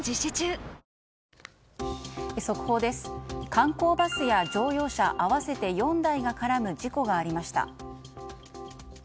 観光バスや乗用車合わせて４台が絡む事故がありました。